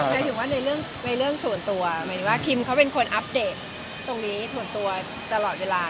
หมายถึงว่าในเรื่องส่วนตัวหมายถึงว่าคิมเขาเป็นคนอัปเดตตรงนี้ส่วนตัวตลอดเวลา